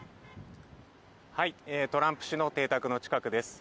トランプ氏の邸宅の近くです。